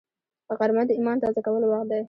غرمه د ایمان تازه کولو وخت دی